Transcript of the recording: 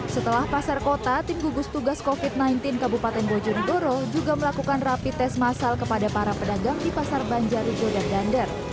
setelah pasar kota tim gugus tugas covid sembilan belas kabupaten bojonegoro juga melakukan rapid test masal kepada para pedagang di pasar banjarigodan dander